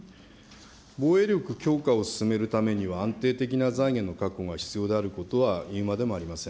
防衛力強化を進めるためには安定的な財源の確保が必要であることはいうまでもありません。